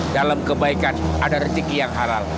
dalam kebaikan ada rezeki yang halal